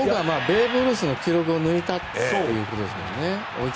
ベーブ・ルースの記録を抜いたとそういうことですよね。